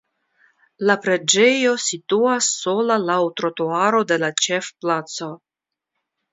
La preĝejo situas sola laŭ trotuaro de la ĉefplaco.